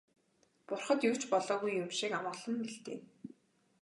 Бурхад юу ч болоогүй юм шиг амгалан мэлтийнэ.